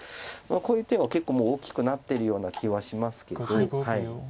こういう手は結構もう大きくなってるような気はしますけど。